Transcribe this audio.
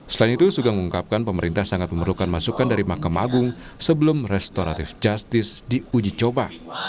selain itu sugeng mengungkapkan pemerintah sangat memerlukan masukan dari mahkamah agung sebelum restoratif justice diuji coba